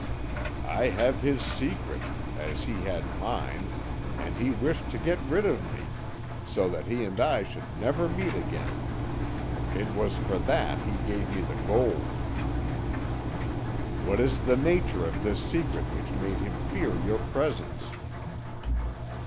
"I have his secret, as he had mine, and he wished to get rid of me, so that he and I should never meet again. It was for that he gave me the gold." "What is the nature of this secret which made him fear your presence?"